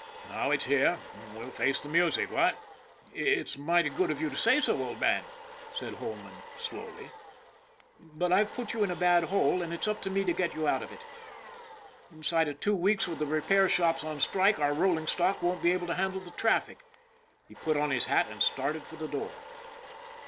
Now it's here, we'll face the music, what?" " It's mighty good of you to say so, old man," said Holman, slowly, " but I've put you in a bad hole, and it's up to me to get you out of it. Inside of two weeks with the repair shops on strike our rolling stock won't be able to handle the traffic." He put on his hat and started for the door.